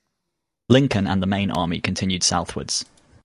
Lincoln and the main army continued southwards.